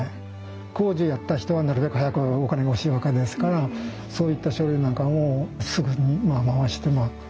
工事やった人はなるべく早くお金が欲しいわけですからそういった書類なんかもすぐに回してまあ